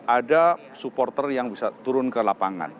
ada supporter yang bisa turun ke lapangan